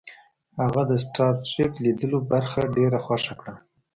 هغه د سټار ټریک لیدلو برخه ډیره خوښه کړه